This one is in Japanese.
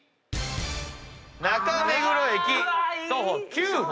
中目黒駅徒歩９分。